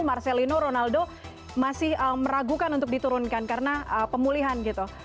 marcelino ronaldo masih meragukan untuk diturunkan karena pemulihan gitu